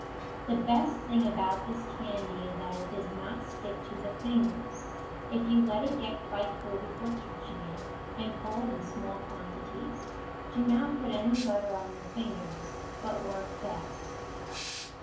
The best thing about this candy is that it does not stick to the fingers, if you let it get quite cool before touching it, and pull it in small quantities. Do not put any butter on your fingers, but work fast.